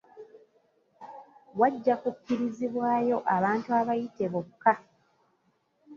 Wajja kukkirizibwayo abantu abayite bokka.